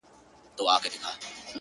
د بل پر وټ درې درې وايي.